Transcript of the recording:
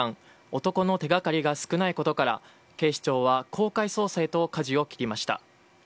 男の手がかりが少ないことから、警視庁は公開捜査へとかじを切りました。